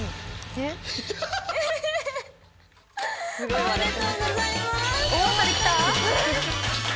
おめでとうございます。